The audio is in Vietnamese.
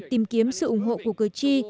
tìm kiếm sự ủng hộ của cử tri